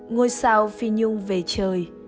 ngôi sao phi nhung về trời